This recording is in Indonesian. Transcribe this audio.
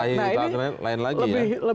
sudah menyalahi kita